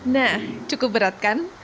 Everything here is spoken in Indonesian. nah cukup berat kan